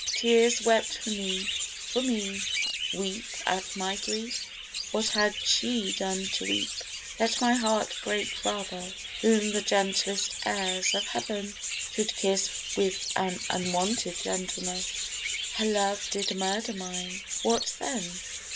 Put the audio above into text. Tears wept for me; for me weep at my grief? What had she done to weep let my heart Break rather whom the gentlest airs of heaven Should kiss with an unwonted gentleness. Her love did murder mine; what then?